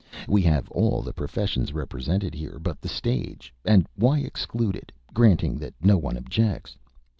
We have all the professions represented here but the stage, and why exclude it, granting that no one objects?